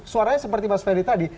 suaranya seperti mas ferry tadi